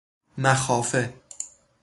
مخافه